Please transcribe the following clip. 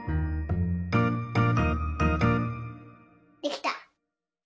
できた！